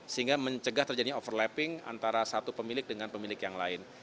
sehingga mencegah terjadinya overlapping antara satu pemilik dengan pemilik yang lain